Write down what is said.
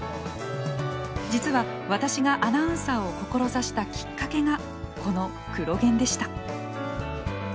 実は私がアナウンサーを志したきっかけがこの「クロ現」でした。